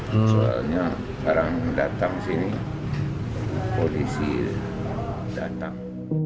soalnya orang datang sini polisi datang